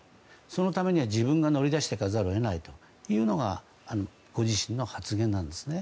そのためには自分が乗り出していかざるを得ないというのがご自身の発言なんですね。